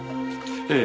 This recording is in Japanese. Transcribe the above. ええ。